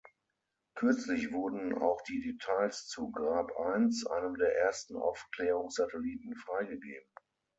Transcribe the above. Kürzlich wurden auch die Details zu Grab I, einem der ersten Aufklärungssatelliten, freigegeben.